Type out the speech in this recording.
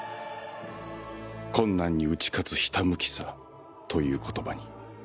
「“困難に打ち勝つひたむきさ”という言葉に」